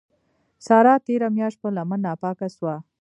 سارا تېره مياشت په لمن ناپاکه سوه.